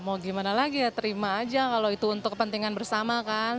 mau gimana lagi ya terima aja kalau itu untuk kepentingan bersama kan